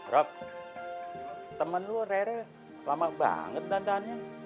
rob temen lo rere lama banget dandannya